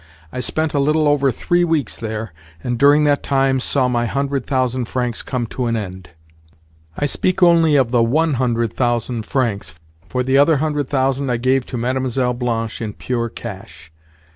I spent a little over three weeks there, and, during that time, saw my hundred thousand francs come to an end. I speak only of the one hundred thousand francs, for the other hundred thousand I gave to Mlle. Blanche in pure cash.